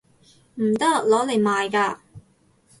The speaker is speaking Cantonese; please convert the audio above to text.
唔得！攞嚟賣㗎